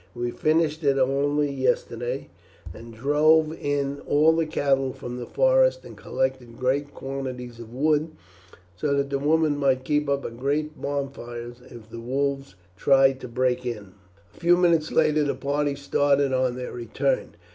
"We finished it only yesterday, and drove in all the cattle from the forests, and collected great quantities of wood so that the women might keep up great bonfires if the wolves tried to break in." A few minutes later the party started on their return.